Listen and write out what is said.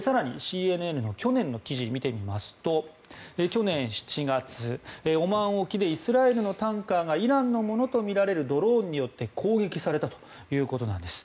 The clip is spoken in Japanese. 更に、ＣＮＮの去年の記事を見てみますと去年７月、オマーン沖でイスラエルのタンカーがイランのものとみられるドローンによって攻撃されたということです。